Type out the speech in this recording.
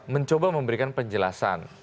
mencoba memberikan penjelasan